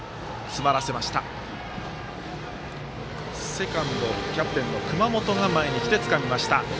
セカンド、キャプテンの熊本が前に来て、つかみました。